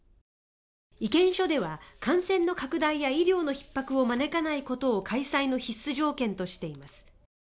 意見書では感染の拡大や医療のひっ迫を招かないことを開催の必須条件としています。